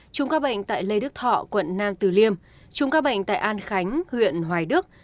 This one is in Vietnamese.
chung ca bệnh tại lê đức thọ quận nam từ liêm chung ca bệnh tại an khánh huyện hoài đức